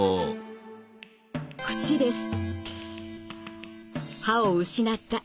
口です。